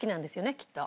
きっと。